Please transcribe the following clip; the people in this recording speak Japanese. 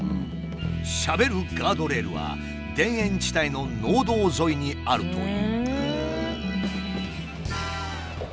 しゃべるガードレールは田園地帯の農道沿いにあるという。